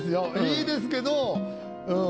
いいですけどうん。